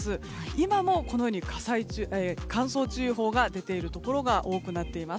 今も乾燥注意報が出ているところが多くなっています。